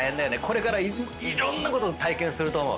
これからいろんなことを体験すると思う。